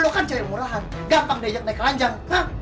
lo kan cari murahan gampang diajak naik ke ranjang